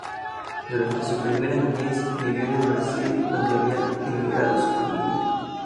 Durante su primera niñez vivió en el Brasil, donde había emigrado su familia.